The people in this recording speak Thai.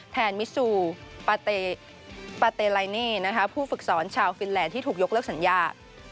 มิซูปาเตไลเน่ผู้ฝึกสอนชาวฟินแลนดที่ถูกยกเลิกสัญญา